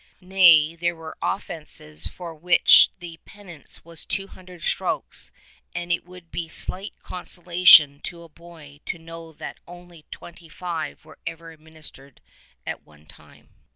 Nay, there were of fences for which the penance was two hundred strokes, and it would be slight consolation to a boy to know that only twenty five were ever administered at one time.